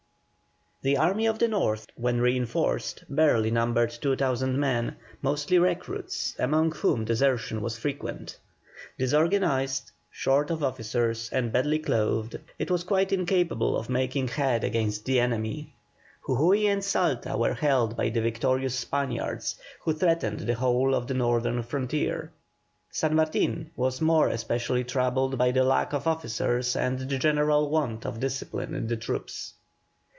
The Army of the North when reinforced, barely numbered 2,000 men, mostly recruits, among whom desertion was frequent. Disorganized, short of officers, and badly clothed, it was quite incapable of making head against the enemy. Jujui and Salta were held by the victorious Spaniards, who threatened the whole of the northern frontier. San Martin was more especially troubled by the lack of officers and the general want of discipline in the troops.